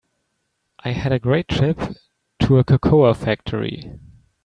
I had a great trip to a cocoa factory.